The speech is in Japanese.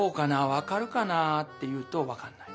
分かるかな？」っていうと分かんない。